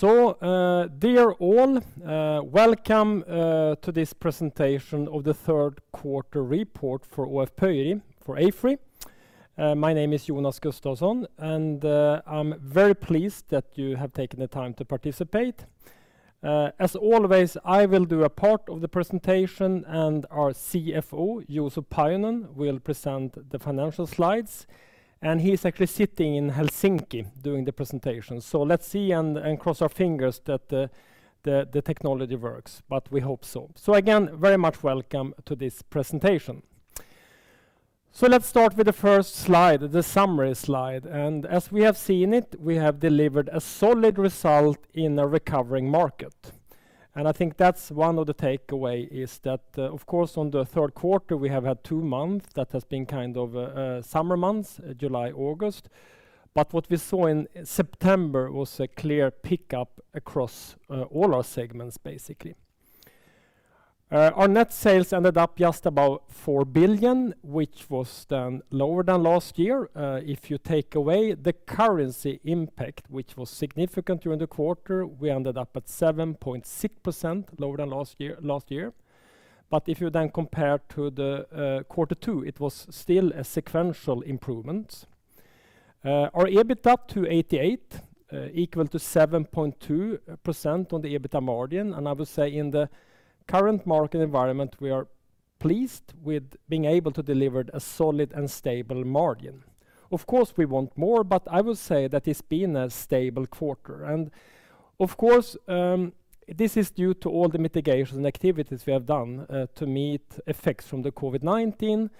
Dear all, welcome to this Presentation of the Third Quarter Report for AFRY, for AFRY. My name is Jonas Gustavsson, and I'm very pleased that you have taken the time to participate. As always, I will do a part of the presentation, and our CFO, Juuso Pajunen, will present the financial slides. He's actually sitting in Helsinki doing the presentation. Let's see and cross our fingers that the technology works, but we hope so. Again, very much welcome to this presentation. Let's start with the first slide, the summary slide. As we have seen it, we have delivered a solid result in a recovering market. I think that's one of the takeaway is that, of course, on the third quarter, we have had two months that has been summer months, July, August. What we saw in September was a clear pickup across all our segments, basically. Our net sales ended up just about 4 billion, which was lower than last year. If you take away the currency impact, which was significant during the quarter, we ended up at 7.6% lower than last year. If you compare to the Quarter two, it was still a sequential improvement. Our EBITA 288 million, equal to 7.2% on the EBITDA margin. I would say in the current market environment, we are pleased with being able to deliver a solid and stable margin. Of course, we want more, I would say that it's been a stable quarter. Of course, this is due to all the mitigation activities we have done to meet effects from the COVID-19,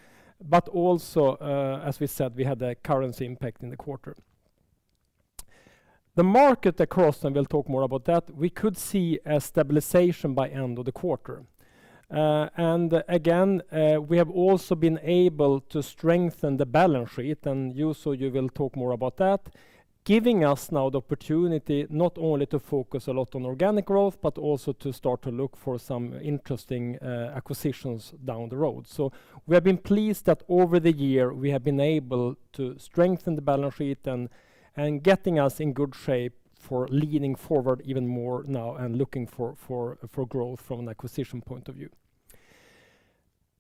as we said, we had a currency impact in the quarter. The market across, we'll talk more about that, we could see a stabilization by end of the quarter. Again, we have also been able to strengthen the balance sheet, Juuso, you will talk more about that, giving us now the opportunity not only to focus a lot on organic growth, but also to start to look for some interesting acquisitions down the road. We have been pleased that over the year, we have been able to strengthen the balance sheet and getting us in good shape for leaning forward even more now and looking for growth from an acquisition point of view.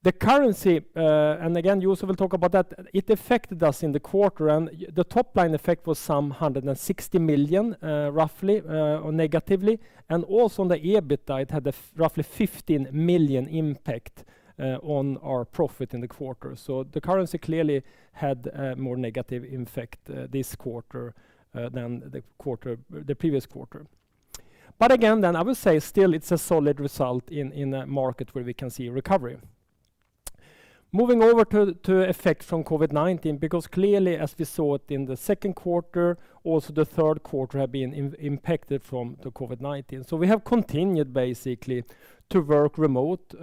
The currency, again, Juuso will talk about that, it affected us in the quarter, the top-line effect was some 160 million, roughly, negatively, and also on the EBITDA, it had a roughly 15 million impact on our profit in the quarter. The currency clearly had a more negative effect this quarter than the previous quarter. I would say still it's a solid result in a market where we can see recovery. Moving over to effect from COVID-19, because clearly, as we saw it in the second quarter, also the third quarter had been impacted from the COVID-19. We have continued, basically, to work remote,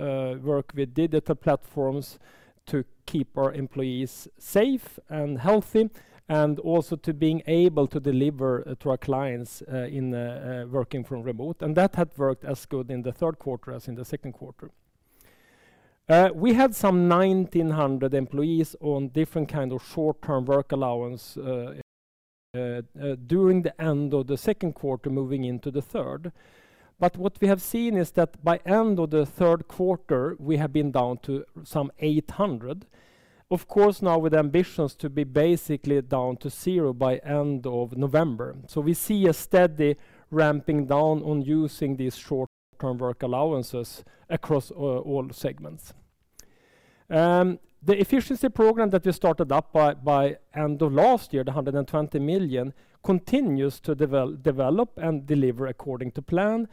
work with digital platforms to keep our employees safe and healthy, and also to being able to deliver to our clients in working from remote. That had worked as good in the third quarter as in the second quarter. We had some 1,900 employees on different kind of short-term work allowance during the end of the second quarter moving into the third. What we have seen is that by end of the third quarter, we have been down to some 800. Of course, now with ambitions to be basically down to zero by end of November. We see a steady ramping down on using these short-term work allowances across all segments. The efficiency program that we started up by end of last year, the 120 million, continues to develop and deliver according to plan.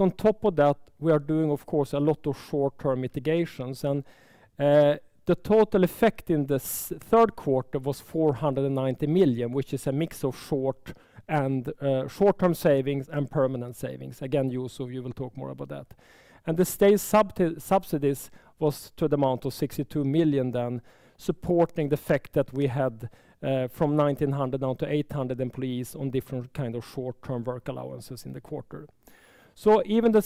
On top of that, we are doing, of course, a lot of short-term mitigations. The total effect in the third quarter was 490 million, which is a mix of short-term savings and permanent savings. Again, Juuso, you will talk more about that. The state subsidies was to the amount of 62 million then, supporting the fact that we had from 1,900 down to 800 employees on different short-term work allowances in the quarter. Even the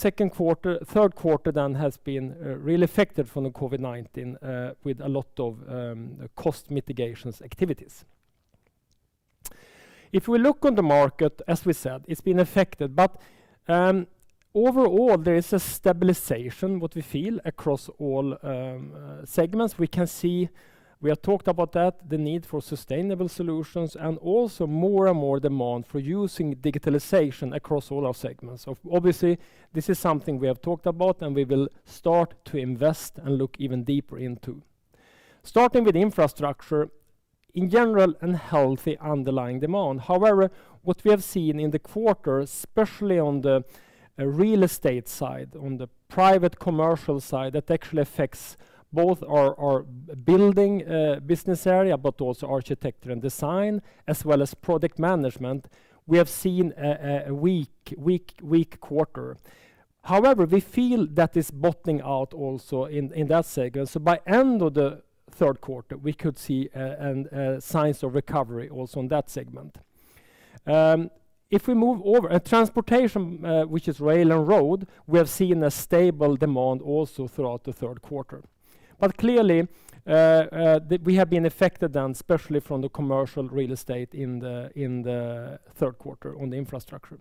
third quarter then has been really affected from the COVID-19 with a lot of cost mitigation activities. If we look on the market, as we said, it's been affected, but overall, there is a stabilization, what we feel across all segments. We can see, we have talked about that, the need for sustainable solutions and also more and more demand for using digitalization across all our segments. Obviously, this is something we have talked about, and we will start to invest and look even deeper into. Starting with infrastructure, in general a healthy underlying demand. However, what we have seen in the quarter, especially on the real estate side, on the private commercial side, that actually affects both our building business area, but also architecture and design, as well as project management, we have seen a weak quarter. However, we feel that it's bottoming out also in that segment. By end of the third quarter, we could see signs of recovery also in that segment. If we move over at transportation, which is rail and road, we have seen a stable demand also throughout the third quarter. Clearly, we have been affected then, especially from the commercial real estate in the third quarter on the infrastructure.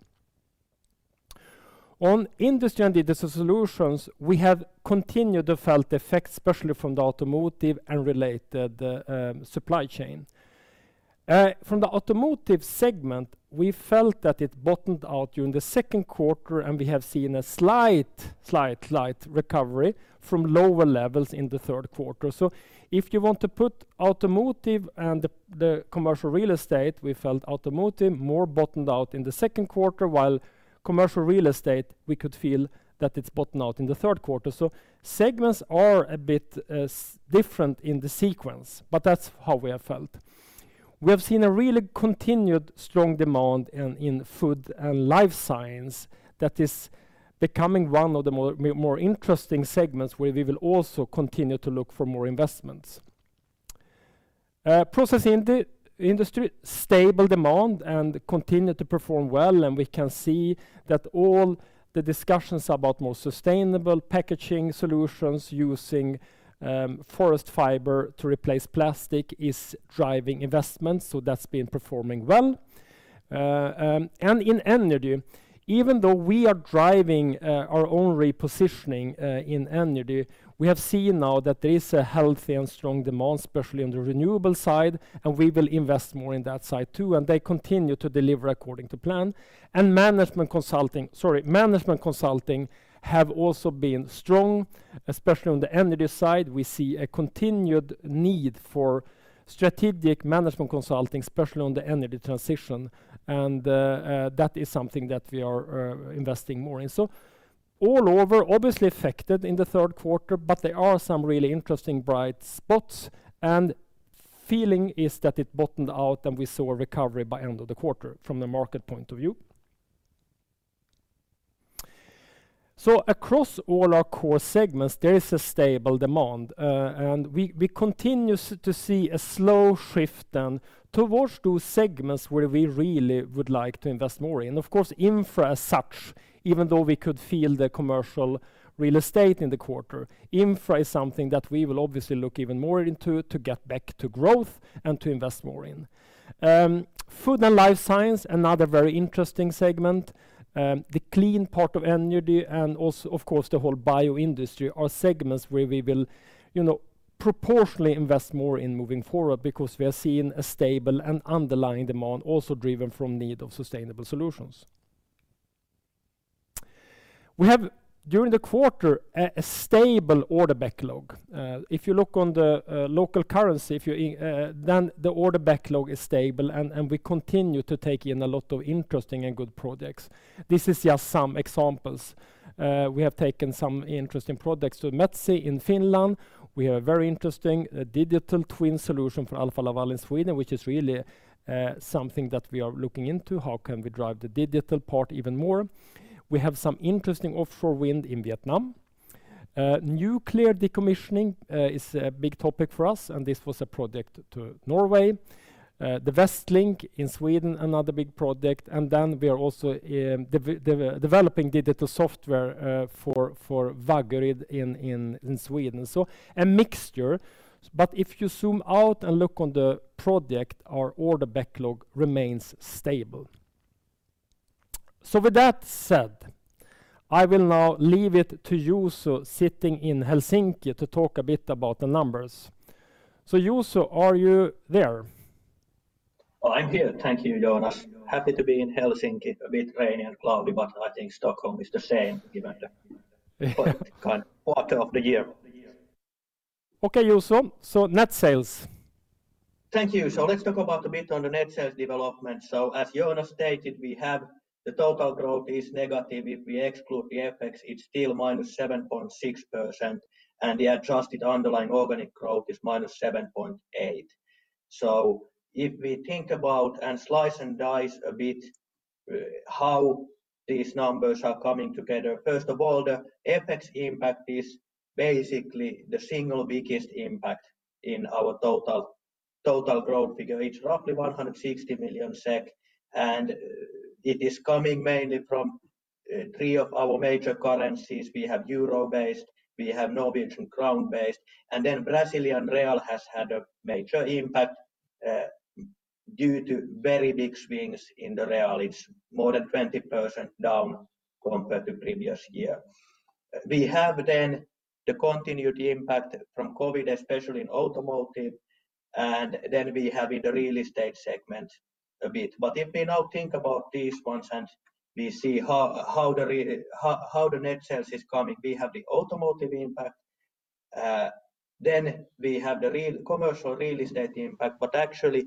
On Industry and Digital Solutions, we have continued to felt the effects, especially from the automotive and related supply chain. From the automotive segment, we felt that it bottomed out during the second quarter, and we have seen a slight recovery from lower levels in the third quarter. If you want to put automotive and the commercial real estate, we felt automotive more bottomed out in the second quarter, while commercial real estate, we could feel that it's bottomed out in the third quarter. Segments are a bit different in the sequence, but that's how we have felt. We have seen a really continued strong demand in food and life science that is becoming one of the more interesting segments, where we will also continue to look for more investments. Process Industry, stable demand and continue to perform well, and we can see that all the discussions about more sustainable packaging solutions using forest fiber to replace plastic is driving investments. That's been performing well. In Energy, even though we are driving our own repositioning in Energy, we have seen now that there is a healthy and strong demand, especially on the renewable side, we will invest more in that side too, they continue to deliver according to plan. Management Consulting have also been strong, especially on the energy side. We see a continued need for strategic management consulting, especially on the energy transition. That is something that we are investing more in. All over, obviously affected in the third quarter, there are some really interesting bright spots, feeling is that it bottomed out and we saw a recovery by end of the quarter from the market point of view. Across all our core segments, there is a stable demand, and we continue to see a slow shift then towards those segments where we really would like to invest more in. Of course, Infra as such, even though we could feel the commercial real estate in the quarter, Infra is something that we will obviously look even more into to get back to growth and to invest more in. Food and Life Science, another very interesting segment. The clean part of Energy and also, of course, the whole bio-industry are segments where we will proportionally invest more in moving forward because we are seeing a stable and underlying demand also driven from need of sustainable solutions. We have, during the quarter, a stable order backlog. If you look on the local currency, the order backlog is stable, and we continue to take in a lot of interesting and good projects. This is just some examples. We have taken some interesting projects. Metso in Finland, we have a very interesting digital twin solution from Alfa Laval in Sweden, which is really something that we are looking into. How can we drive the digital part even more? We have some interesting offshore wind in Vietnam. Nuclear decommissioning is a big topic for us, and this was a project to Norway. The Västlänken in Sweden, another big project. We are also developing digital software for Vaggeryd in Sweden. A mixture, if you zoom out and look on the project, our order backlog remains stable. With that said, I will now leave it to Juuso sitting in Helsinki to talk a bit about the numbers. Juuso, are you there? I'm here. Thank you, Jonas. Happy to be in Helsinki. A bit rainy and cloudy, but I think Stockholm is the same given quarter of the year. Okay, Juuso. Net sales. Thank you. Let's talk about a bit on the net sales development. As Jonas stated, we have the total growth is negative. If we exclude the FX, it's still -7.6%, and the adjusted underlying organic growth is -7.8%. If we think about and slice and dice a bit how these numbers are coming together, first of all, the FX impact is basically the single biggest impact in our total growth figure. It's roughly 160 million SEK, it is coming mainly from three of our major currencies. We have EUR-based, we have Norwegian crown-based, Brazilian real has had a major impact due to very big swings in the real. It's more than 20% down compared to previous year. We have the continued impact from COVID-19, especially in Automotive, we have in the Real Estate segment a bit. If we now think about these ones and we see how the net sales is coming, we have the Automotive impact, then we have the Commercial Real Estate impact, actually,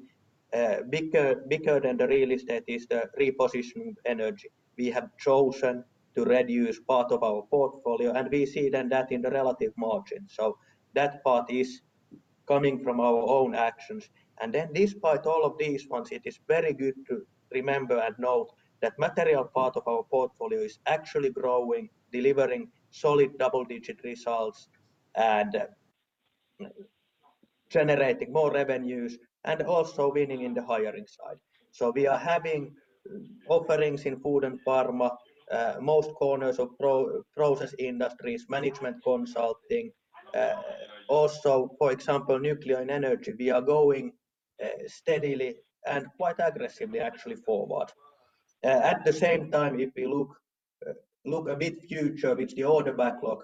bigger than the Real Estate is the repositioning Energy. We have chosen to reduce part of our portfolio, we see then that in the relative margin. That part is coming from our own actions. Despite all of these ones, it is very good to remember and note that material part of our portfolio is actually growing, delivering solid double-digit results, and generating more revenues, and also winning in the hiring side. We are having offerings in Food and Pharma, most corners of Process Industries, Management Consulting. Also, for example, Nuclear and Energy, we are going steadily and quite aggressively forward. At the same time, if we look a bit future, which the order backlog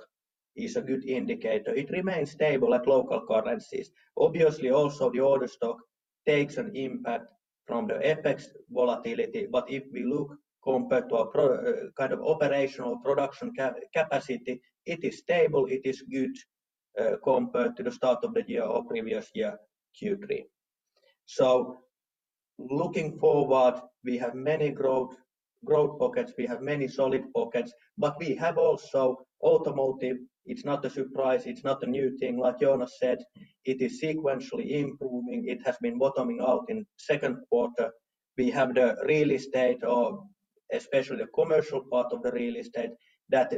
is a good indicator, it remains stable at local currencies. Obviously, also the order stock takes an impact from the FX volatility, but if we look compared to our operational production capacity, it is stable. It is good compared to the start of the year or previous year Q3. Looking forward, we have many growth pockets. We have many solid pockets. We have also automotive. It's not a surprise, it's not a new thing like Jonas said, it is sequentially improving. It has been bottoming out in second quarter. We have the real estate, or especially the commercial part of the real estate, that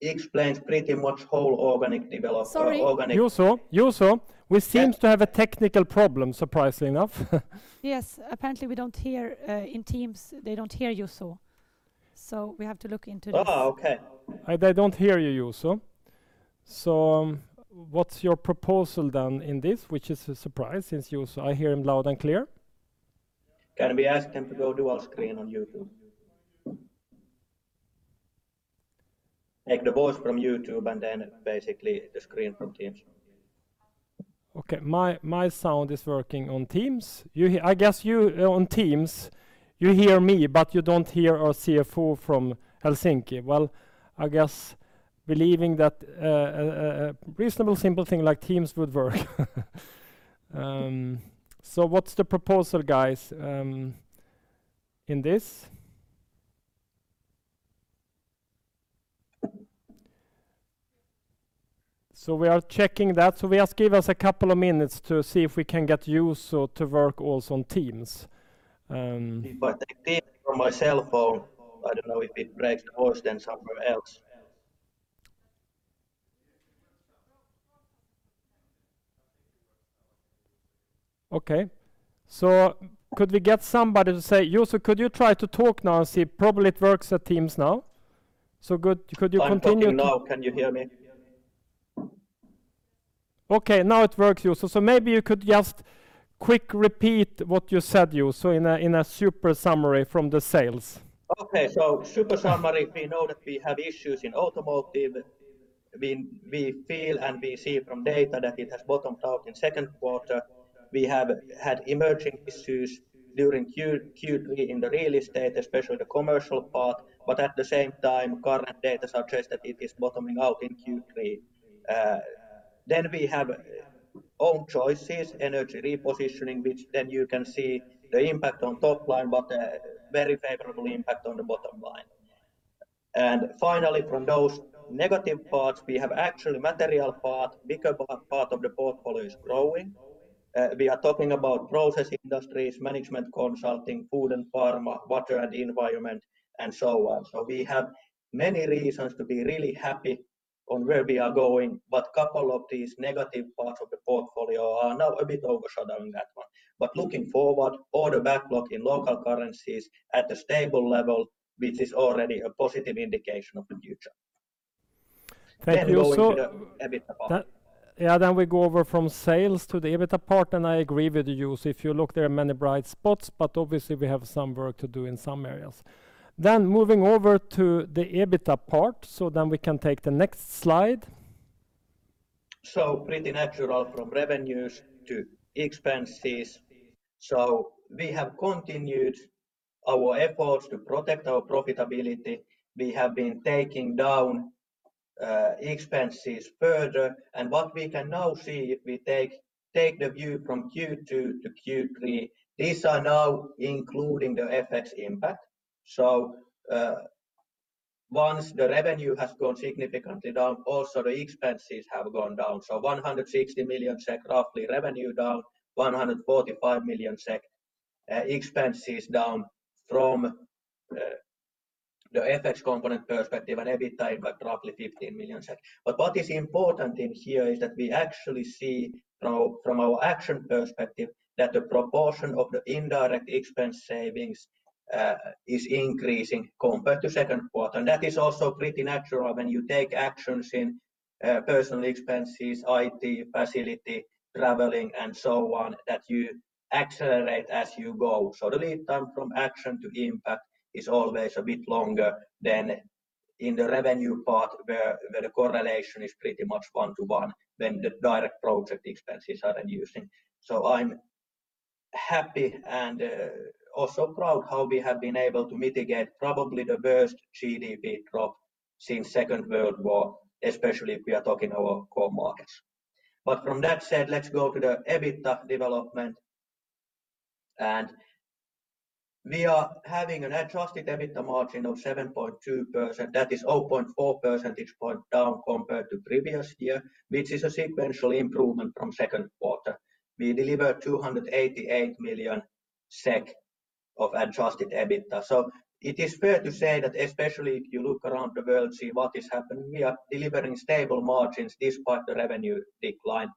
explains pretty much whole organic development. Sorry. Juuso? We seems to have a technical problem, surprisingly enough. Yes. Apparently, in Teams, they don't hear Juuso. We have to look into this. Oh, okay. They don't hear you, Juuso. What's your proposal then in this? Which is a surprise since I hear him loud and clear. Can we ask him to go dual screen on YouTube? Take the voice from YouTube and then basically the screen from Teams. Okay. My sound is working on Teams. I guess on Teams you hear me, you don't hear our CFO from Helsinki. I guess believing that a reasonable, simple thing like Teams would work. What's the proposal, guys, in this? We are checking that. Just give us a couple of minutes to see if we can get Juuso to work also on Teams. If I take Teams from my cell phone, I don't know if it breaks the voice then somewhere else. Okay. Could we get somebody to say Juuso, could you try to talk now and see? Probably it works at Teams now. Could you continue? I'm talking now. Can you hear me? Okay, now it works, Juuso. Maybe you could just quick repeat what you said, Juuso, in a super summary from the sales. Okay. Super summary, we know that we have issues in automotive. We feel and we see from data that it has bottomed out in second quarter. We have had emerging issues during Q3 in the real estate, especially the commercial part, but at the same time, current data suggests that it is bottoming out in Q3. We have own choices, energy repositioning, which then you can see the impact on top line, but a very favorable impact on the bottom line. Finally, from those negative parts, we have actually material part, bigger part of the portfolio is growing. We are talking about process industries, management consulting, food and pharma, water and environment, and so on. We have many reasons to be really happy on where we are going, but couple of these negative parts of the portfolio are now a bit overshadowing that one. Looking forward, order backlog in local currencies at a stable level, which is already a positive indication of the future. Thank you, Juuso. We go into the EBITDA part. Yeah. We go over from sales to the EBITDA part, and I agree with Juuso. If you look, there are many bright spots, but obviously we have some work to do in some areas. Moving over to the EBITDA part, so then we can take the next slide. Pretty natural from revenues to expenses. We have continued our efforts to protect our profitability. We have been taking down expenses further. What we can now see if we take the view from Q2 to Q3, these are now including the FX impact. Once the revenue has gone significantly down, also the expenses have gone down. 160 million SEK, roughly revenue down, 145 million SEK expenses down from the FX component perspective, and EBITDA impact roughly 15 million. What is important in here is that we actually see from our action perspective that the proportion of the indirect expense savings is increasing compared to second quarter. That is also pretty natural when you take actions in personal expenses, IT, facility, traveling, and so on, that you accelerate as you go. The lead time from action to impact is always a bit longer than in the revenue part, where the correlation is pretty much one to one when the direct project expenses are reducing. I'm happy and also proud how we have been able to mitigate probably the worst GDP drop since Second World War, especially if we are talking our core markets. From that said, let's go to the EBITA development. We are having an adjusted EBITA margin of 7.2%. That is 0.4 percentage point down compared to previous year, which is a sequential improvement from second quarter. We delivered 288 million SEK of adjusted EBITA. It is fair to say that especially if you look around the world, see what is happening, we are delivering stable margins despite the revenue decline.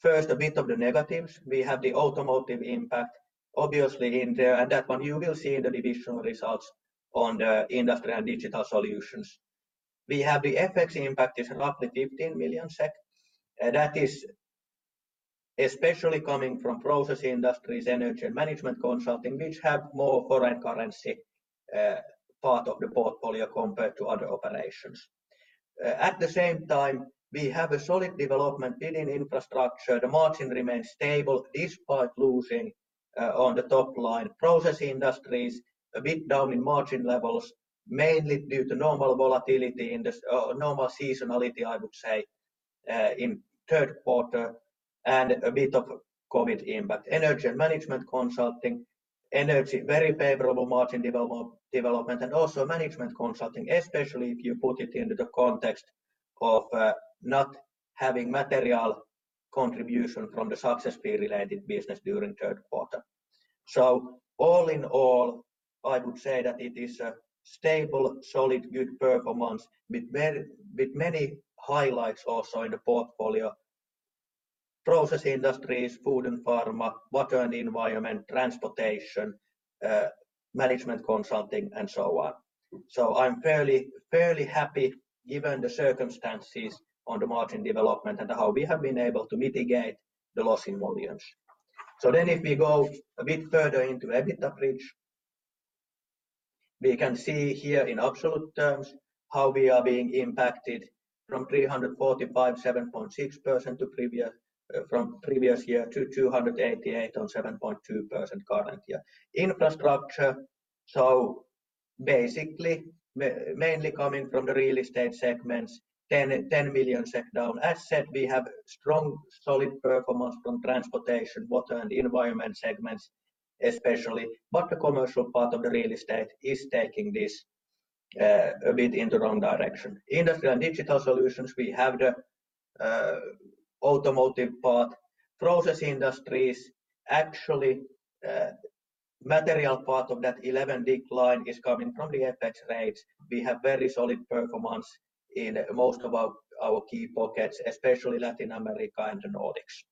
First, a bit of the negatives. We have the automotive impact obviously in there, and that one you will see in the divisional results on the Industry and Digital Solutions. We have the FX impact is roughly 15 million SEK. That is especially coming from Process Industries, Energy and Management Consulting, which have more foreign currency part of the portfolio compared to other operations. At the same time, we have a solid development within Infrastructure. The margin remains stable despite losing on the top line. Process Industries, a bit down in margin levels, mainly due to normal seasonality, I would say, in third quarter and a bit of COVID-19 impact. Energy and Management Consulting. Energy, very favorable margin development, and also Management Consulting, especially if you put it into the context of not having material contribution from the success fee-related business during third quarter. All in all, I would say that it is a stable, solid, good performance with many highlights also in the portfolio. Process Industries, Food and Pharma, Water and Environment, Transportation, Management Consulting, and so on. I'm fairly happy given the circumstances on the margin development and how we have been able to mitigate the loss in volumes. If we go a bit further into EBITDA bridge, we can see here in absolute terms how we are being impacted from 345, 7.6% from previous year to 288 on 7.2% current year. Infrastructure, so basically mainly coming from the real estate segments, 10 million down. As said, we have strong, solid performance from Transportation, Water and Environment segments especially. The commercial part of the real estate is taking this a bit in the wrong direction. Industry and Digital Solutions, we have the automotive part. Process industries, actually material part of that 11 decline is coming from the FX rates. We have very solid performance in most of our key pockets, especially Latin America and the Nordics.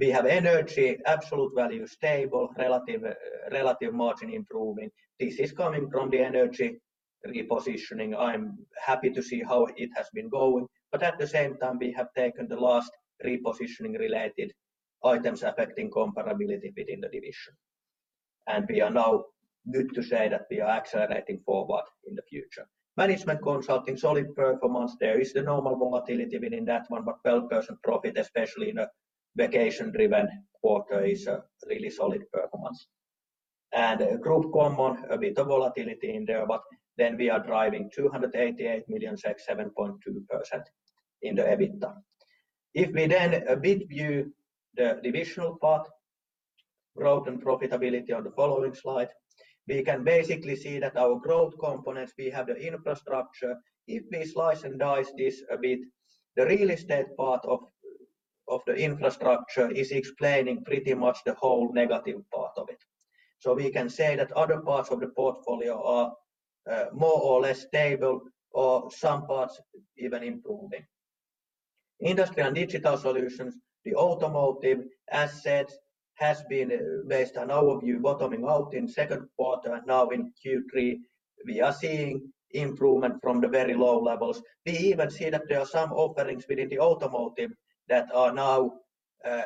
We have energy, absolute value stable, relative margin improving. This is coming from the energy repositioning. I'm happy to see how it has been going. At the same time, we have taken the last repositioning-related items affecting comparability within the division. We are now good to say that we are accelerating forward in the future. Management consulting, solid performance there. There is the normal volatility within that one, but 12% profit, especially in a vacation-driven quarter, is a really solid performance. Group Common, a bit of volatility in there, but then we are driving 288 million, 7.2% in the EBITDA. We then a bit view the divisional part, growth and profitability on the following slide, we can basically see that our growth components, we have the infrastructure. We slice and dice this a bit, the real estate part of the infrastructure is explaining pretty much the whole negative part of it. We can say that other parts of the portfolio are more or less stable, or some parts even improving. Industry and digital solutions, the automotive, as said, has been based on our view bottoming out in second quarter. Now in Q3, we are seeing improvement from the very low levels. We even see that there are some offerings within the automotive that are now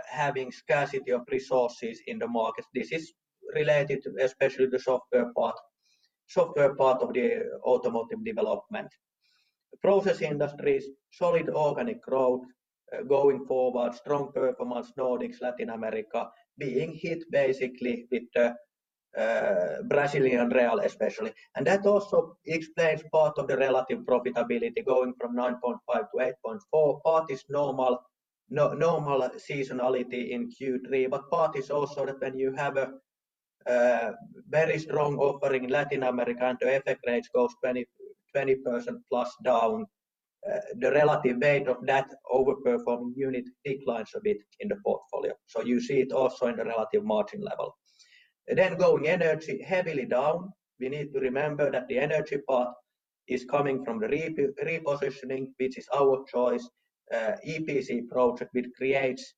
having scarcity of resources in the market. This is related especially the software part of the automotive development. Process industries, solid organic growth going forward, strong performance, Nordics, Latin America being hit basically with the Brazilian real especially. That also explains part of the relative profitability going from 9.5%-8.4%. Part is normal seasonality in Q3, but part is also that when you have a very strong offering in Latin America and the FX rates goes 20%+ down, the relative weight of that overperforming unit declines a bit in the portfolio. You see it also in the relative margin level. Going energy heavily down. We need to remember that the energy part is coming from the repositioning, which is our choice. EPC project, which creates,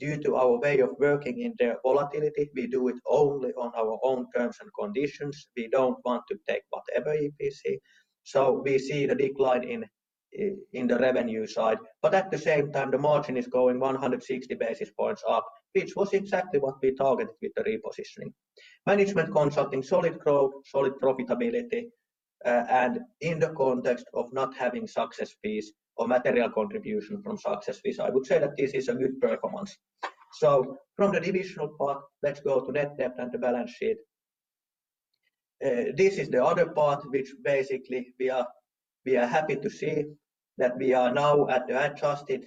due to our way of working in the volatility, we do it only on our own terms and conditions. We don't want to take whatever EPC. We see the decline in the revenue side, at the same time, the margin is going 160 basis points up, which was exactly what we targeted with the repositioning. Management consulting, solid growth, solid profitability, in the context of not having success fees or material contribution from success fees, I would say that this is a good performance. From the divisional part, let's go to net debt and the balance sheet. This is the other part which basically we are happy to see that we are now at the adjusted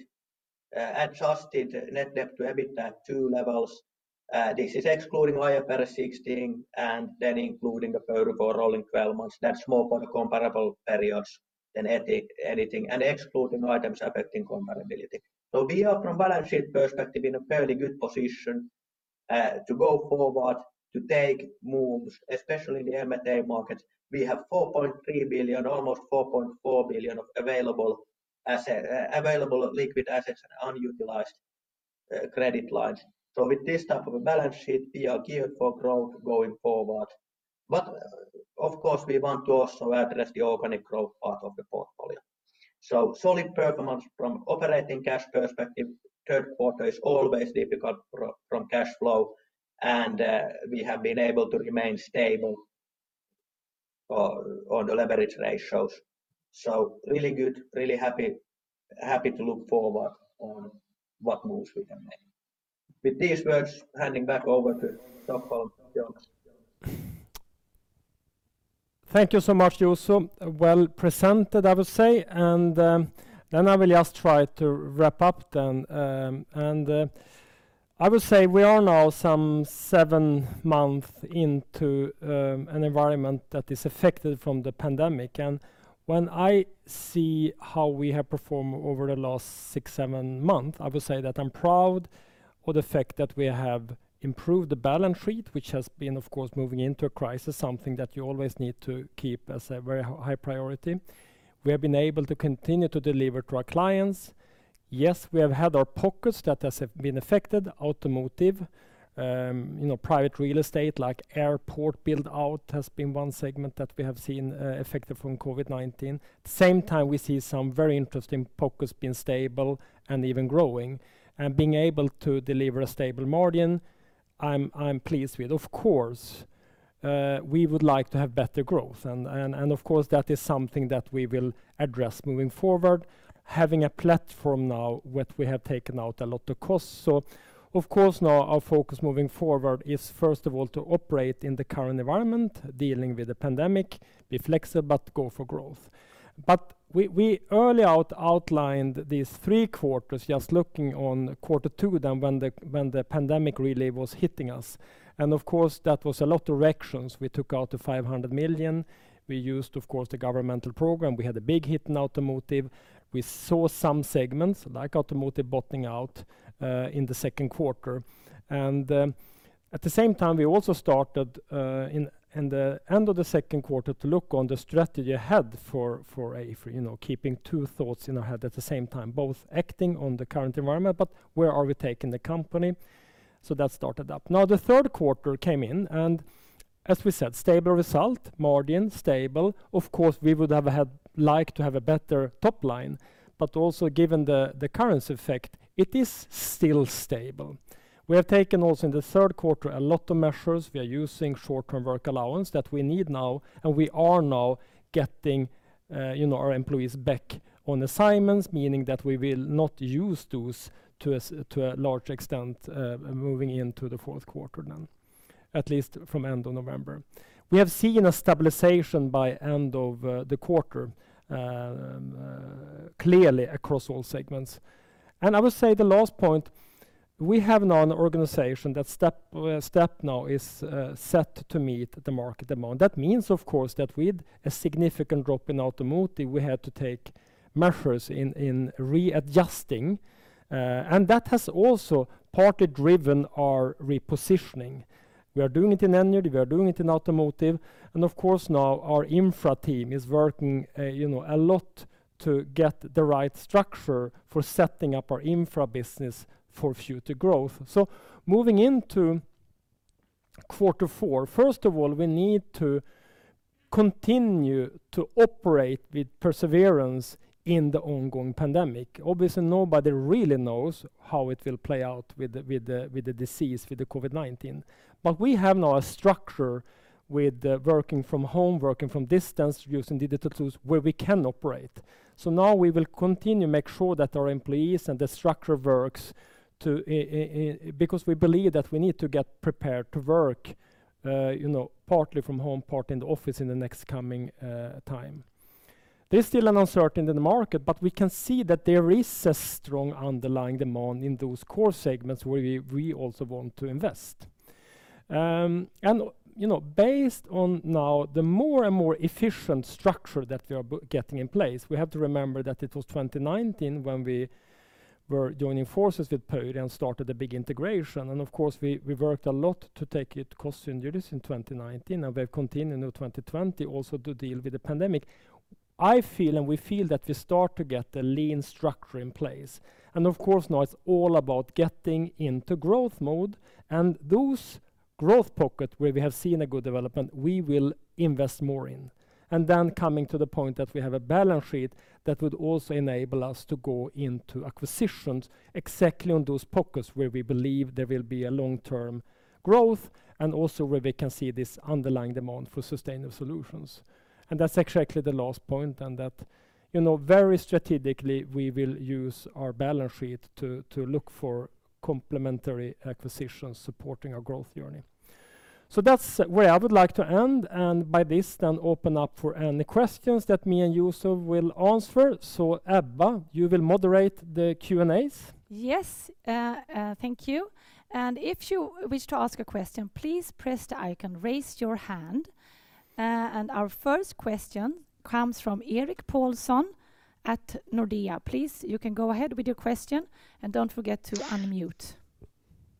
net debt to EBITDA two levels. This is excluding IFRS 16 including the P4 rolling 12 months. That's more for the comparable periods than anything, excluding items affecting comparability. We are from balance sheet perspective in a fairly good position to go forward, to take moves, especially in the M&A market. We have 4.3 billion, almost 4.4 billion of available liquid assets and unutilized credit lines. With this type of a balance sheet, we are geared for growth going forward. Of course, we want to also address the organic growth part of the portfolio. Solid performance from operating cash perspective. Third quarter is always difficult from cash flow, and we have been able to remain stable on the leverage ratios. Really good, really happy to look forward on what moves we can make. With these words, handing back over to Staffan Björklund. Thank you so much, Juuso. Well presented, I would say. I will just try to wrap up then. I would say we are now some seven months into an environment that is affected from the pandemic. When I see how we have performed over the last six, seven months, I would say that I'm proud of the fact that we have improved the balance sheet, which has been, of course, moving into a crisis, something that you always need to keep as a very high priority. We have been able to continue to deliver to our clients. Yes, we have had our pockets that have been affected, automotive, private real estate like airport build-out has been one segment that we have seen affected from COVID-19. Same time, we see some very interesting pockets being stable and even growing. Being able to deliver a stable margin, I'm pleased with. We would like to have better growth, and of course, that is something that we will address moving forward, having a platform now, we have taken out a lot of costs. Of course, now our focus moving forward is first of all to operate in the current environment, dealing with the pandemic, be flexible, but go for growth. We early outlined these three quarters just looking on quarter two then when the pandemic really was hitting us. Of course, that was a lot of reactions. We took out the 500 million. We used, of course, the governmental program. We had a big hit in automotive. We saw some segments like automotive bottoming out in the second quarter. At the same time, we also started in the end of the second quarter to look on the strategy ahead for AFRY, keeping two thoughts in our head at the same time, both acting on the current environment, but where are we taking the company? That started up. The third quarter came in, and as we said, stable result, margin stable. Of course, we would have liked to have a better top line, but also given the currency effect, it is still stable. We have taken also in the third quarter a lot of measures. We are using short-term work allowance that we need now, and we are now getting our employees back on assignments, meaning that we will not use those to a large extent moving into the fourth quarter now, at least from end of November. We have seen a stabilization by end of the quarter, clearly across all segments. I would say the last point, we have now an organization that is set to meet the market demand. That means, of course, that with a significant drop in automotive, we had to take measures in readjusting and that has also partly driven our repositioning. We are doing it in energy, we are doing it in automotive, and of course now our infra team is working a lot to get the right structure for setting up our infra business for future growth. Moving into quarter four, first of all, we need to continue to operate with perseverance in the ongoing pandemic. Obviously, nobody really knows how it will play out with the disease, with the COVID-19. We have now a structure with working from home, working from distance, using digital tools where we can operate. Now we will continue make sure that our employees and the structure works because we believe that we need to get prepared to work partly from home, partly in the office in the next coming time. There's still an uncertainty in the market, but we can see that there is a strong underlying demand in those core segments where we also want to invest. Based on now the more and more efficient structure that we are getting in place, we have to remember that it was 2019 when we were joining forces with Pöyry and started the big integration. Of course, we worked a lot to take it cost synergies in 2019, and we have continued into 2020 also to deal with the pandemic. I feel, and we feel that we start to get the lean structure in place. Of course, now it's all about getting into growth mode and those growth pockets where we have seen a good development, we will invest more in. Then coming to the point that we have a balance sheet that would also enable us to go into acquisitions exactly on those pockets where we believe there will be a long-term growth and also where we can see this underlying demand for sustainable solutions. That's exactly the last point, and that very strategically we will use our balance sheet to look for complementary acquisitions supporting our growth journey. That's where I would like to end, and by this then open up for any questions that me and Juuso will answer. Ebba, you will moderate the Q&As? Yes. Thank you. If you wish to ask a question, please press the icon, raise your hand. Our first question comes from Erik Paulsson at Nordea. Please, you can go ahead with your question and don't forget to unmute.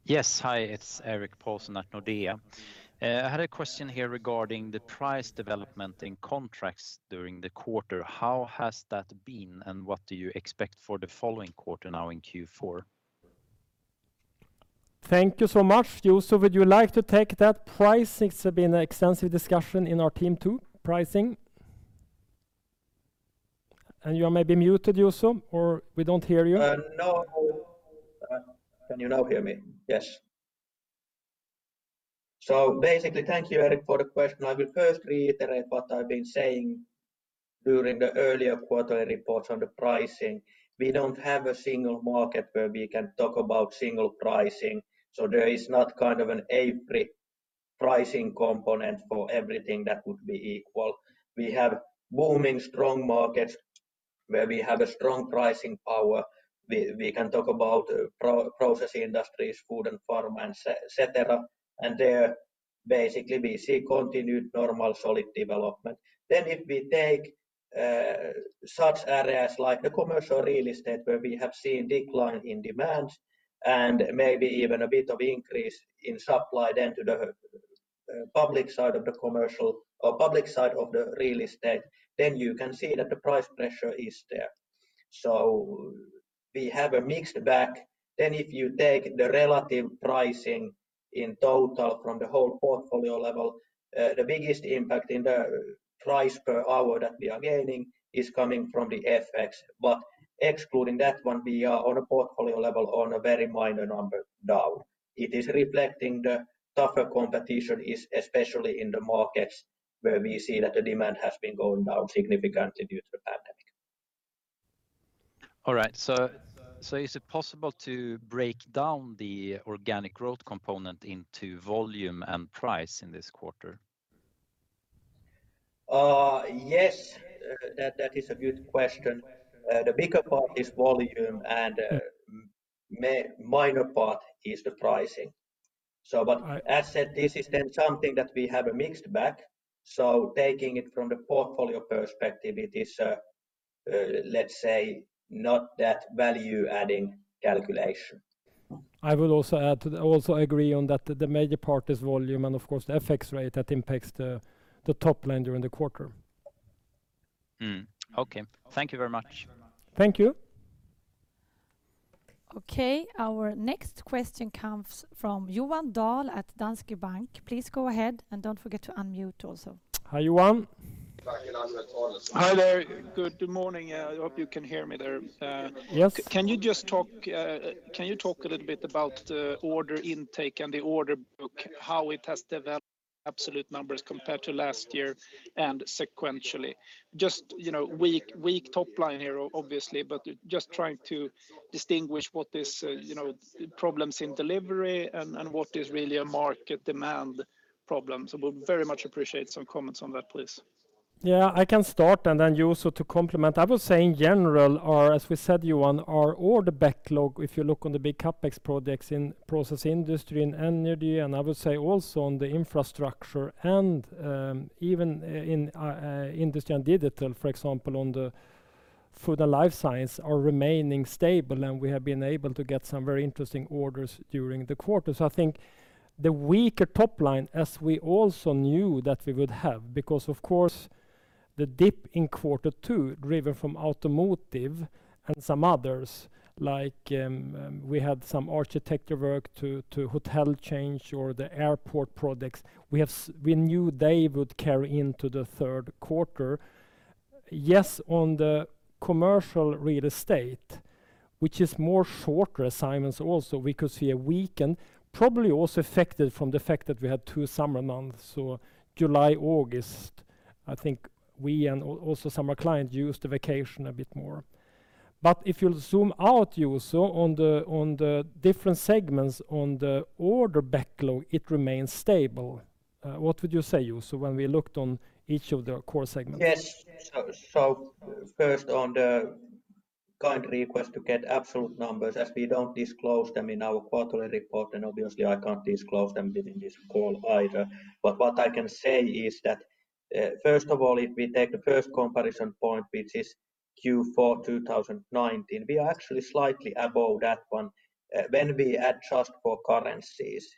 Yes. Hi, it's Erik Paulsson at Nordea. I had a question here regarding the price development in contracts during the quarter. How has that been, and what do you expect for the following quarter now in Q4? Thank you so much. Juuso, would you like to take that? Pricing has been an extensive discussion in our team, too. You are maybe muted, Juuso, or we don't hear you. No. Can you now hear me? Yes. Basically, thank you, Erik, for the question. I will first reiterate what I've been saying during the earlier quarterly reports on the pricing. We don't have a single market where we can talk about single pricing. There is not an AFRY pricing component for everything that would be equal. We have booming strong markets where we have a strong pricing power. We can talk about process industries, Food and Pharma, et cetera, and there basically we see continued normal, solid development. If we take such areas like the commercial real estate, where we have seen decline in demand and maybe even a bit of increase in supply, to the public side of the real estate, you can see that the price pressure is there. We have a mixed bag. If you take the relative pricing in total from the whole portfolio level, the biggest impact in the price per hour that we are gaining is coming from the FX. Excluding that one, we are on a portfolio level on a very minor number down. It is reflecting the tougher competition especially in the markets where we see that the demand has been going down significantly due to the pandemic. All right. Is it possible to break down the organic growth component into volume and price in this quarter? Yes, that is a good question. The bigger part is volume and minor part is the pricing. As said, this is something that we have a mixed bag. Taking it from the portfolio perspective, it is, let's say, not that value-adding calculation. I would also agree on that the major part is volume and of course the FX rate that impacts the top line during the quarter. Okay. Thank you very much. Thank you. Okay. Our next question comes from Johan Dahl at Danske Bank. Please go ahead and don't forget to unmute also. Hi, Johan. Hi there. Good morning. I hope you can hear me there. Yes. Can you talk a little bit about the order intake and the order book, how it has developed absolute numbers compared to last year and sequentially? Just weak top line here, obviously, but just trying to distinguish what is problems in delivery and what is really a market demand problem. We'll very much appreciate some comments on that, please. Yeah, I can start, and then Juuso to complement. I would say in general, as we said, Johan, our order backlog, if you look on the big CapEx projects in process industry, in energy, and I would say also on the infrastructure and even in industry and digital, for example, on the Food and Pharma, are remaining stable, and we have been able to get some very interesting orders during the quarter. I think the weaker top line, as we also knew that we would have, because of course the dip in quarter two driven from automotive and some others, like we had some architecture work to hotel chains or the airport projects. We knew they would carry into the third quarter. Yes, on the commercial real estate, which is more shorter assignments also, we could see a weaken, probably also affected from the fact that we had two summer months, so July, August, I think we and also some of our clients used the vacation a bit more. If you zoom out, Juuso, on the different segments on the order backlog, it remains stable. What would you say, Juuso, when we looked on each of the core segments? Yes. First, on the kind request to get absolute numbers, as we don't disclose them in our quarterly report, and obviously, I can't disclose them within this call either. What I can say is that, first of all, if we take the first comparison point, which is Q4 2019, we are actually slightly above that one. When we adjust for currencies,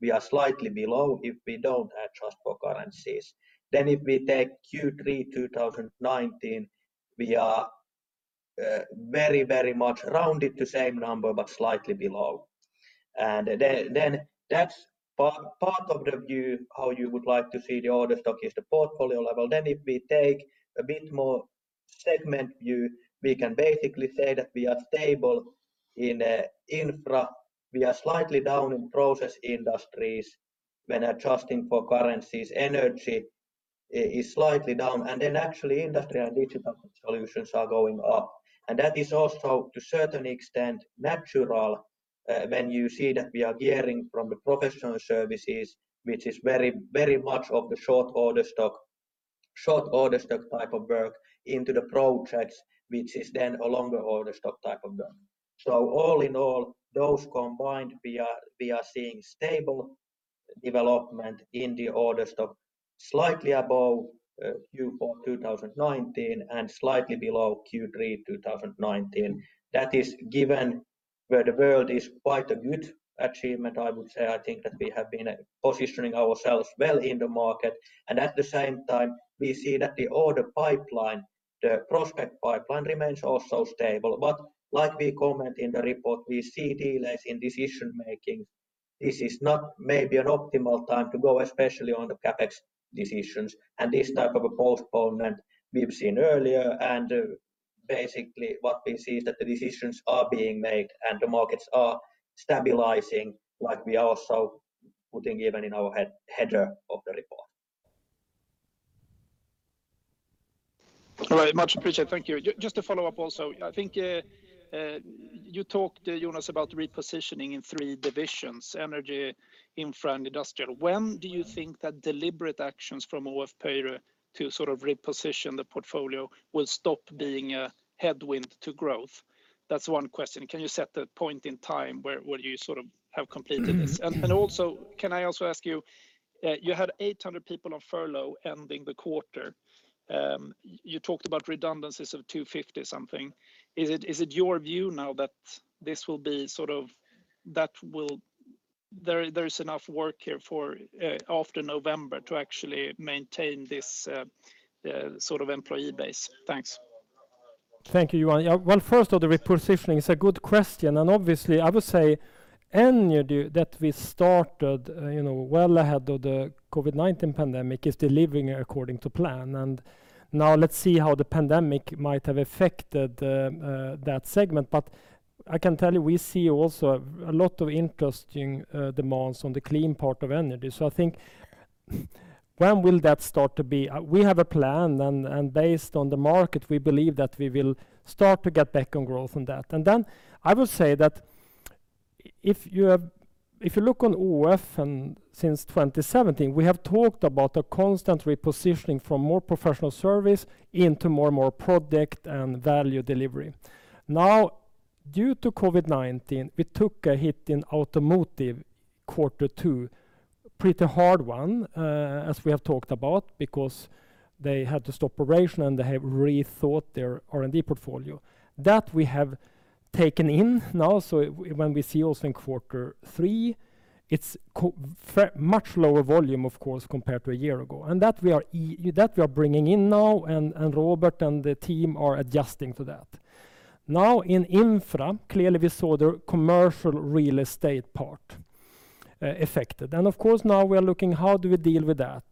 we are slightly below if we don't adjust for currencies. If we take Q3 2019, we are very much rounded the same number, but slightly below. That's part of the view, how you would like to see the order stock is the portfolio level. If we take a bit more segment view, we can basically say that we are stable in infra. We are slightly down in process industries when adjusting for currencies. Energy is slightly down, and then actually industry and digital solutions are going up. That is also, to a certain extent, natural when you see that we are gearing from the professional services, which is very much of the short order stock type of work into the projects, which is then a longer order stock type of work. All in all, those combined, we are seeing stable development in the order stock slightly above Q4 2019 and slightly below Q3 2019. That is given where the world is quite a good achievement, I would say. I think that we have been positioning ourselves well in the market. At the same time, we see that the order pipeline, the prospect pipeline remains also stable. Like we comment in the report, we see delays in decision-making. This is not maybe an optimal time to go, especially on the CapEx decisions and this type of a postponement we've seen earlier. Basically, what we see is that the decisions are being made and the markets are stabilizing like we are also putting even in our header of the report. All right. Much appreciated. Thank you. Just to follow up also, I think you talked, Jonas, about repositioning in three divisions, energy, infra, and industrial. When do you think that deliberate actions from AFRY to sort of reposition the portfolio will stop being a headwind to growth? That's one question. Can you set a point in time where you sort of have completed this? Can I also ask you had 800 people on furlough ending the quarter. You talked about redundancies of 250 something. Is it your view now that there is enough work here for after November to actually maintain this sort of employee base? Thanks. Thank you, Johan. First on the repositioning is a good question, and obviously I would say energy that we started well ahead of the COVID-19 pandemic is delivering according to plan. Now let's see how the pandemic might have affected that segment. I can tell you, we see also a lot of interesting demands on the clean part of energy. I think when will that start to be? We have a plan and based on the market, we believe that we will start to get back on growth on that. I would say that if you look on AFRY since 2017, we have talked about a constant repositioning from more professional service into more product and value delivery. Due to COVID-19, we took a hit in automotive Q2, pretty hard one as we have talked about because they had to stop operation and they have rethought their R&D portfolio. That we have taken in now. When we see also in Q3, it's much lower volume of course, compared to a year ago. That we are bringing in now, Robert and the team are adjusting to that. In infra, clearly we saw the commercial real estate part affected. Of course, now we are looking how do we deal with that?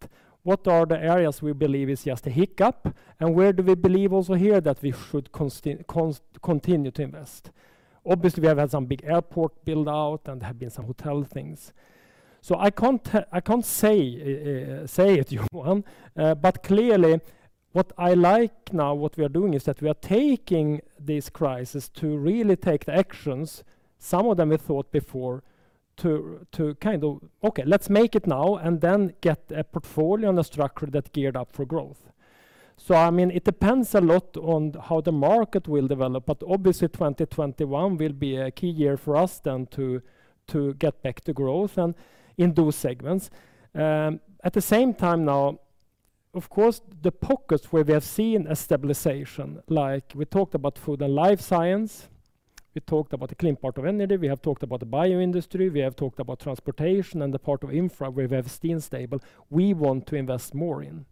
What are the areas we believe is just a hiccup, and where do we believe also here that we should continue to invest? Obviously, we have had some big airport build out and have been some hotel things. I can't say it, Johan. Clearly what I like now what we are doing is that we are taking this crisis to really take the actions, some of them we thought before to kind of, okay, let's make it now and then get a portfolio and a structure that geared up for growth. It depends a lot on how the market will develop, but obviously 2021 will be a key year for us then to get back to growth and in those segments. At the same time now, of course, the pockets where we have seen a stabilization, like we talked about food and life science, we talked about the clean part of energy, we have talked about the bio industry, we have talked about transportation and the part of infra where we have seen stable we want to invest more in.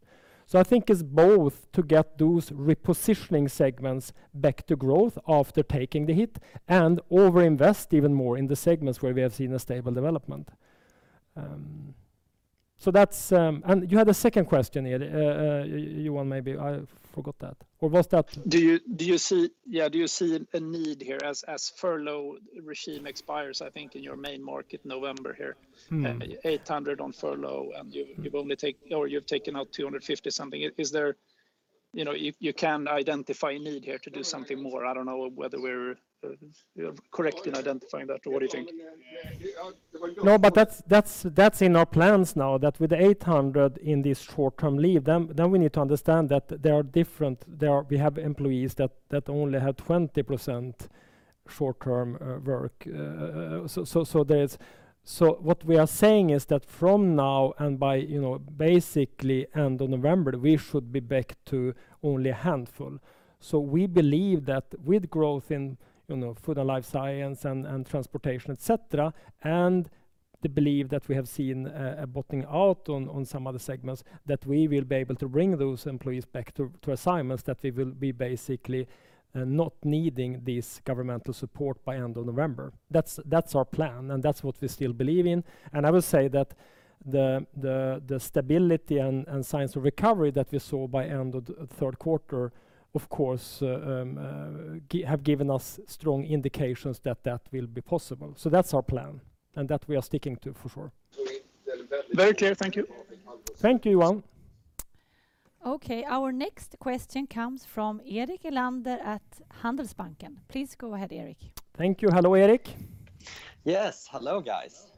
I think it's both to get those repositioning segments back to growth after taking the hit and over-invest even more in the segments where we have seen a stable development. You had a second question here, Johan, maybe I forgot that, or was that? Do you see a need here as furlough regime expires, I think in your main market November here? 800 on furlough and you've only taken out 250 something. You can identify a need here to do something more. I don't know whether we're correct in identifying that or what do you think? That's in our plans now that with the 800 in this short-term leave, we need to understand that we have employees that only had 20% short-term work. What we are saying is that from now and by basically end of November, we should be back to only a handful. We believe that with growth in food and pharma and transportation, et cetera, and the belief that we have seen a bottoming out on some other segments, that we will be able to bring those employees back to assignments. That we will be basically not needing this governmental support by end of November. That's our plan and that's what we still believe in. I would say that the stability and signs of recovery that we saw by end of the third quarter, of course, have given us strong indications that that will be possible. That's our plan and that we are sticking to for sure. Very clear. Thank you. Thank you, Johan. Okay. Our next question comes from Erik Elander at Handelsbanken. Please go ahead, Erik. Thank you. Hello, Erik. Yes. Hello guys.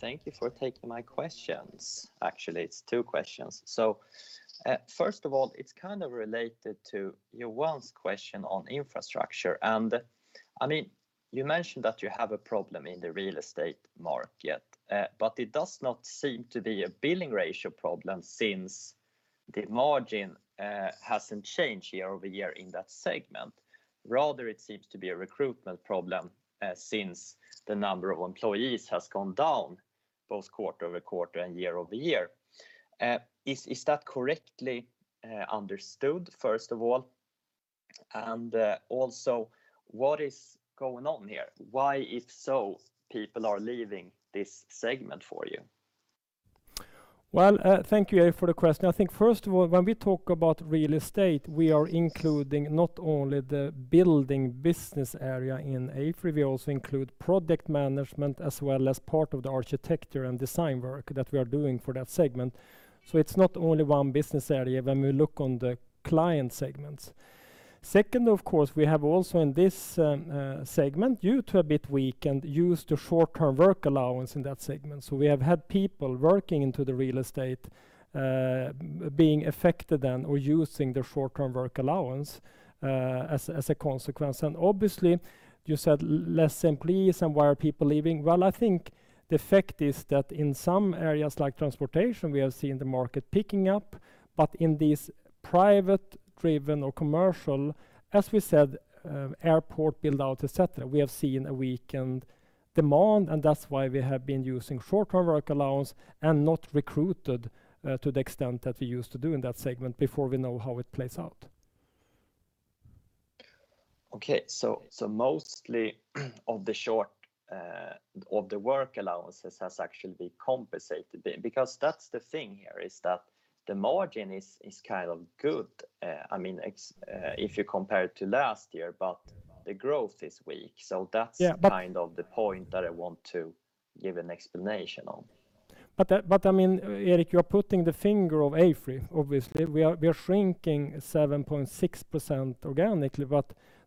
Thank you for taking my questions. Actually, it's two questions. First of all, it's kind of related to Johan's question on infrastructure, and I mean you mentioned that you have a problem in the real estate market, but it does not seem to be a billing ratio problem since the margin hasn't changed year-over-year in that segment. Rather, it seems to be a recruitment problem, since the number of employees has gone down both quarter-over-quarter and year-over-year. Is that correctly understood, first of all? Also, what is going on here? Why, if so, people are leaving this segment for you? Well, thank you, Erik, for the question. I think, first of all, when we talk about real estate, we are including not only the building business area in AFRY, we also include project management, as well as part of the architecture and design work that we are doing for that segment. It's not only one business area when we look on the client segments. Second, of course, we have also in this segment, due to a bit weakened use to short-term work allowance in that segment. We have had people working into the real estate, being affected then or using the short-term work allowance, as a consequence. Obviously, you said less employees and why are people leaving? Well, I think the fact is that in some areas like transportation, we are seeing the market picking up. In these private-driven or commercial, as we said, airport build-out, et cetera, we have seen a weakened demand, and that's why we have been using short-term work allowance and not recruited to the extent that we used to do in that segment before we know how it plays out. Okay. Mostly of the work allowances has actually been compensated. That's the thing here, is that the margin is kind of good if you compare it to last year, but the growth is weak. Yeah, but. The point that I want to give an explanation on. Erik, you're putting the finger of AFRY, obviously. We are shrinking 7.6% organically,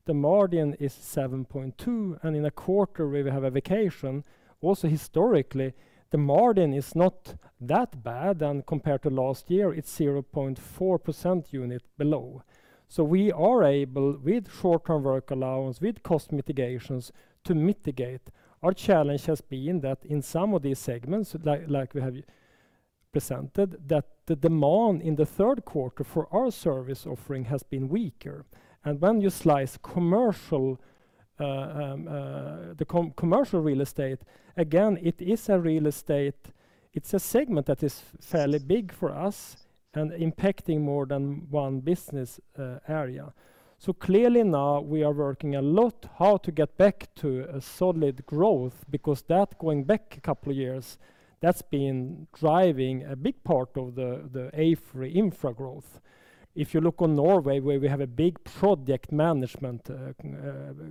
the margin is 7.2%, and in a quarter where we have a vacation, also historically, the margin is not that bad than compared to last year. It's 0.4% unit below. We are able, with short-term work allowance, with cost mitigations, to mitigate. Our challenge has been that in some of these segments, like we have presented, that the demand in the third quarter for our service offering has been weaker. When you slice the commercial real estate, again, it is a real estate. It's a segment that is fairly big for us and impacting more than one business area. Clearly now we are working a lot how to get back to a solid growth, because that, going back a couple of years, that's been driving a big part of the AFRY Infra growth. If you look on Norway, where we have a big project management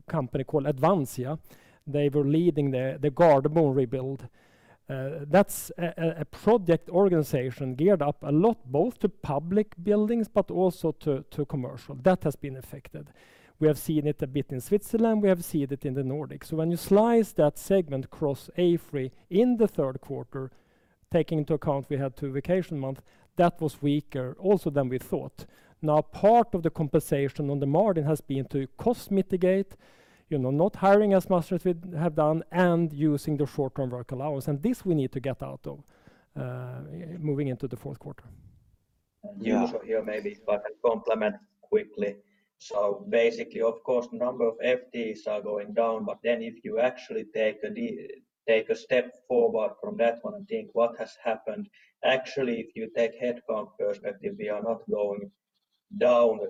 company called Advansia, they were leading the Gardermoen rebuild. That's a project organization geared up a lot, both to public buildings but also to commercial. That has been affected. We have seen it a bit in Switzerland, we have seen it in the Nordics. When you slice that segment across AFRY in the third quarter, taking into account we had two vacation month, that was weaker also than we thought. Part of the compensation on the margin has been to cost mitigate, not hiring as much as we have done, and using the short-term work allowance, and this we need to get out of moving into the fourth quarter. Yeah. Juuso here, maybe if I can complement quickly. Basically, of course, number of FTEs are going down, if you actually take a step forward from that one and think what has happened, actually, if you take headcount perspective, we are not going down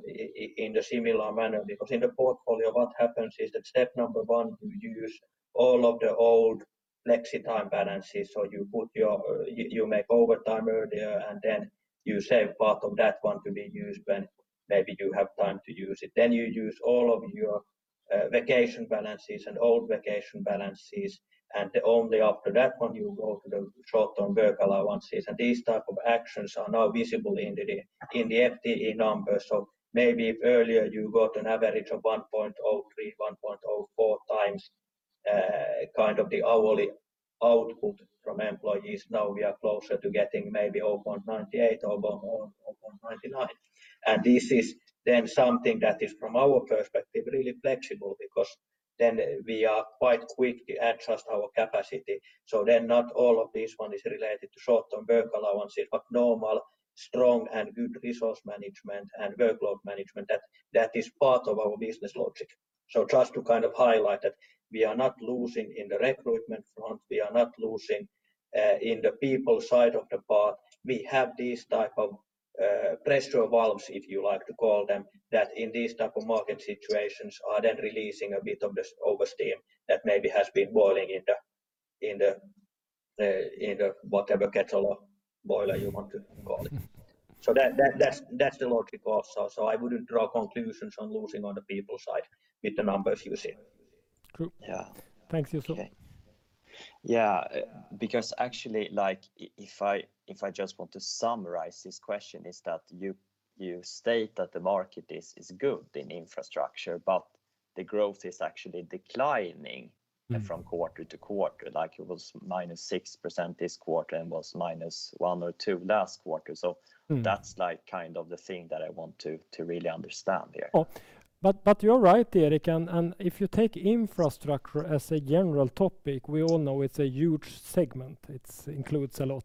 in the similar manner. In the portfolio, what happens is that step number one, you use all of the old flexitime balances. You make overtime earlier, you save part of that one to be used when maybe you have time to use it. You use all of your vacation balances and old vacation balances, only after that one, you go to the short-term work allowances, these type of actions are now visible in the FTE numbers. Maybe if earlier you got an average of 1.03x, 1.04x the hourly output from employees, now we are closer to getting maybe 0.98 or 0.99. This is then something that is, from our perspective, really flexible because then we are quite quick to adjust our capacity. Not all of this one is related to short-term work allowances, but normal, strong, and good resource management and workload management. That is part of our business logic. Just to highlight that we are not losing in the recruitment front, we are not losing in the people side of the part. We have these type of pressure valves, if you like to call them, that in these type of market situations are then releasing a bit of the oversteam that maybe has been boiling in the whatever kettle or boiler you want to call it. That's the logic also. I wouldn't draw conclusions on losing on the people side with the numbers you see. True. Yeah. Thanks, Juuso. Yeah, because actually, if I just want to summarize this question, is that you state that the market is good in infrastructure, but the growth is actually declining from quarter to quarter. It was -6% this quarter and was -1% or -2% last quarter. That's the thing that I want to really understand there. You're right, Erik, and if you take infrastructure as a general topic, we all know it's a huge segment. It includes a lot.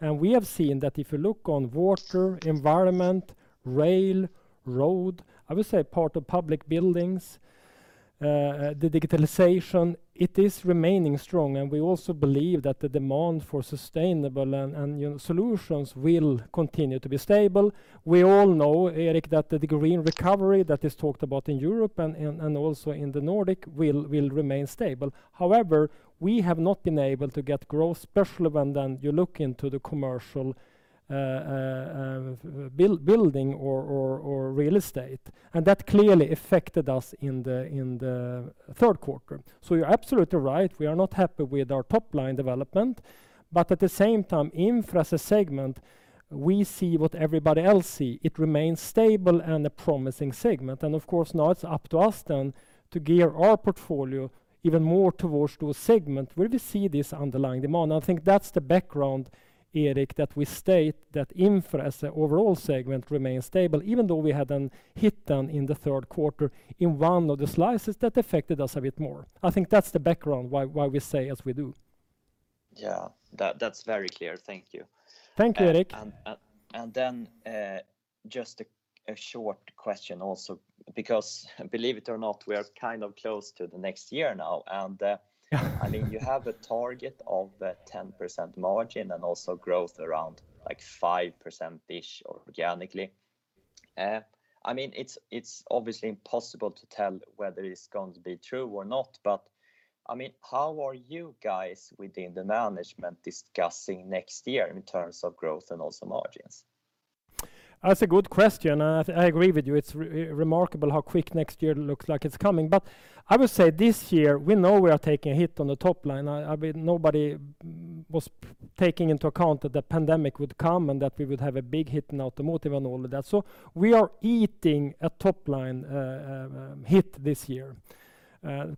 We have seen that if you look on water, environment, rail, road, I would say part of public buildings, the digitalization, it is remaining strong, and we also believe that the demand for sustainable solutions will continue to be stable. We all know, Erik, that the green recovery that is talked about in Europe and also in the Nordic will remain stable. However, we have not been able to get growth, especially when you look into the commercial building or real estate, and that clearly affected us in the Third Quarter. You're absolutely right. We are not happy with our top-line development, but at the same time, infra as a segment, we see what everybody else see. It remains stable and a promising segment. Of course, now it's up to us then to gear our portfolio even more towards to a segment where we see this underlying demand. I think that's the background, Erik, that we state that infra as a overall segment remains stable, even though we had an hit down in the third quarter in one of the slices that affected us a bit more. I think that's the background why we say as we do. Yeah. That's very clear. Thank you. Thank you, Erik. Just a short question also, because believe it or not, we are close to the next year now. You have a target of 10% margin and also growth around 5%-ish organically. It's obviously impossible to tell whether it's going to be true or not, but how are you guys within the management discussing next year in terms of growth and also margins? That's a good question, and I agree with you. It's remarkable how quick next year looks like it's coming. I would say this year, we know we are taking a hit on the top line. Nobody was taking into account that the pandemic would come and that we would have a big hit in automotive and all of that. We are eating a top-line hit this year.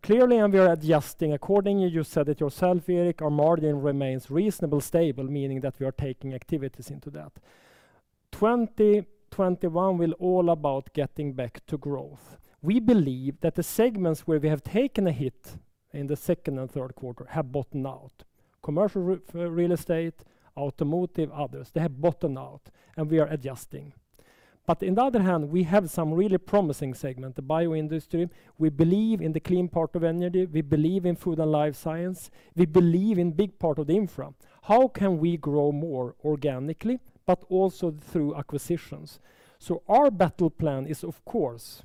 Clearly, and we are adjusting accordingly, you said it yourself, Erik, our margin remains reasonable stable, meaning that we are taking activities into that. 2021 will all about getting back to growth. We believe that the segments where we have taken a hit in the second and third quarter have bottomed out. Commercial real estate, automotive, others, they have bottomed out, and we are adjusting. On the other hand, we have some really promising segment, the bio industry. We believe in the clean part of energy. We believe in food and pharma. We believe in big part of the infra. How can we grow more organically, but also through acquisitions? Our battle plan is, of course,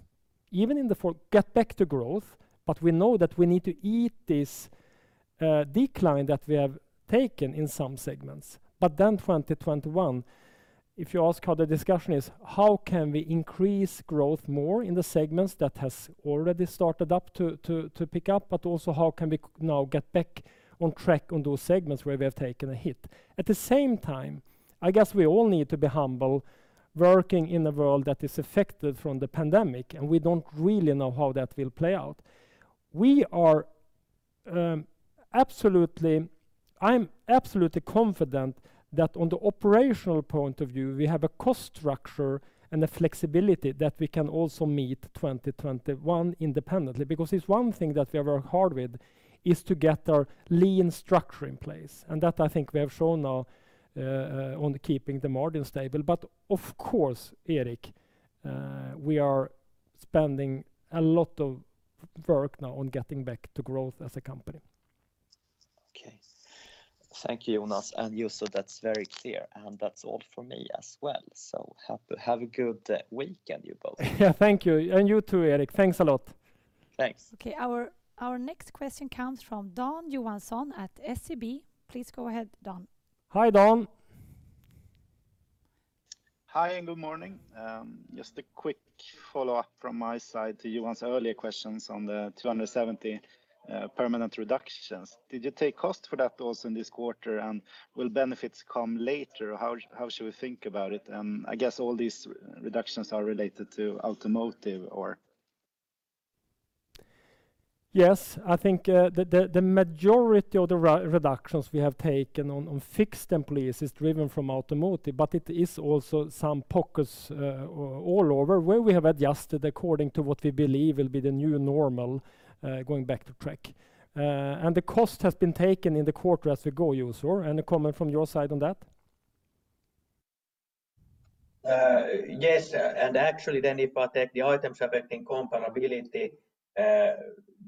even in the to get back to growth, but we know that we need to eat this decline that we have taken in some segments. 2021, if you ask how the discussion is, how can we increase growth more in the segments that has already started up to pick up, but also how can we now get back on track on those segments where we have taken a hit? At the same time, I guess we all need to be humble working in a world that is affected from the pandemic, and we don't really know how that will play out. I am absolutely confident that on the operational point of view, we have a cost structure and a flexibility that we can also meet 2021 independently, because it's one thing that we work hard with, is to get our lean structure in place. That I think we have shown now on keeping the margin stable. Of course, Erik, we are spending a lot of work now on getting back to growth as a company. Okay. Thank you, Jonas and Juuso. That's very clear, and that's all from me as well. Have a good weekend, you both. Yeah. Thank you, and you too, Erik. Thanks a lot. Thanks. Okay. Our next question comes from Dan Johansson at SEB. Please go ahead, Dan. Hi, Dan. Hi, and good morning. Just a quick follow-up from my side to Johan's earlier questions on the 270 permanent reductions. Did you take cost for that also in this quarter, and will benefits come later? How should we think about it? I guess all these reductions are related to automotive or? Yes, I think the majority of the reductions we have taken on fixed employees is driven from automotive, but it is also some pockets all over where we have adjusted according to what we believe will be the new normal, going back to track. The cost has been taken in the quarter as we go, Juuso. Any comment from your side on that? Yes, actually if I take the items affecting comparability,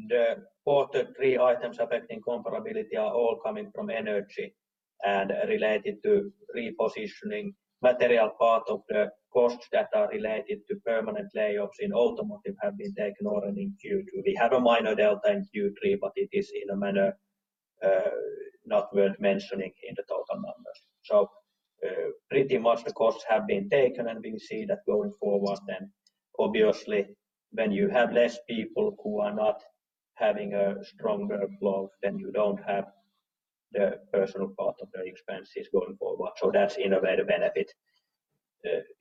the Q3 items affecting comparability are all coming from energy and related to repositioning material part of the costs that are related to permanent layoffs in automotive have been taken already in Q2. We have a minor delta in Q3, it is in a manner not worth mentioning in the total numbers. Pretty much the costs have been taken, we see that going forward obviously when you have less people who are not having a stronger flow, you don't have the personnel part of their expenses going forward. That's in a way the benefit,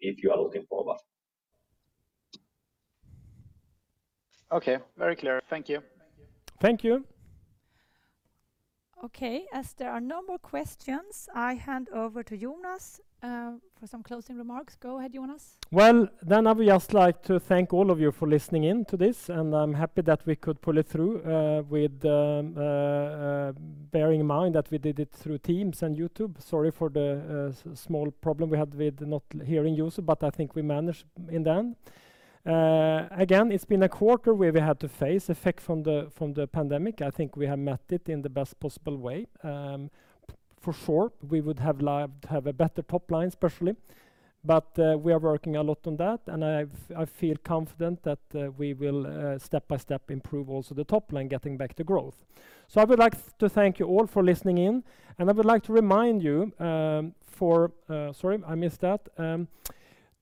if you are looking forward. Okay, very clear. Thank you. Thank you. Okay, as there are no more questions, I hand over to Jonas for some closing remarks. Go ahead, Jonas. I would just like to thank all of you for listening in to this, and I'm happy that we could pull it through bearing in mind that we did it through Teams and YouTube. Sorry for the small problem we had with not hearing you, but I think we managed in the end. Again, it's been a quarter where we had to face effects from the pandemic. I think we have met it in the best possible way. For sure, we would have loved to have a better top line, especially, but we are working a lot on that, and I feel confident that we will step by step improve also the top line, getting back to growth. I would like to thank you all for listening in.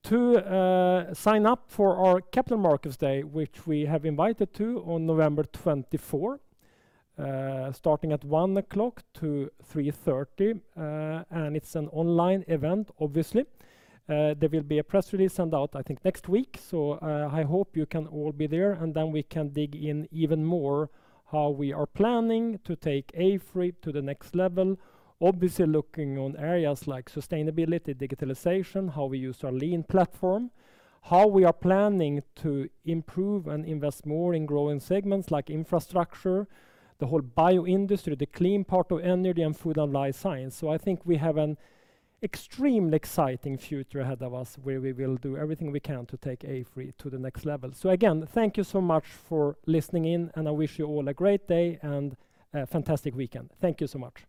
To sign up for our Capital Markets Day, which we have invited to on November 24, starting at 1:00 P.M. to 3:30 P.M. It's an online event, obviously. There will be a press release sent out, I think, next week. I hope you can all be there, and then we can dig in even more how we are planning to take AFRY to the next level. Obviously, looking on areas like sustainability, digitalization, how we use our lean platform. How we are planning to improve and invest more in growing segments like infrastructure, the whole bio industry, the clean part of energy, and food and life science. I think we have an extremely exciting future ahead of us, where we will do everything we can to take AFRY to the next level. Again, thank you so much for listening in. I wish you all a great day and a fantastic weekend. Thank you so much.